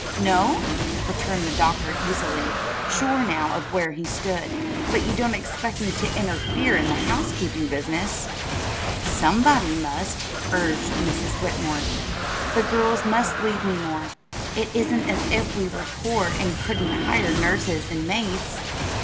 "No?" returned the doctor easily, sure now of where he stood. "But you don't expect me to interfere in this housekeeping business!" "Somebody must," urged Mrs. Whitmore. "The girls must leave me more. It isn't as if we were poor and couldn't hire nurses and maids.